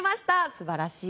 素晴らしい。